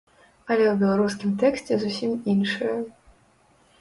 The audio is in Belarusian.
Але ў беларускім тэксце зусім іншае.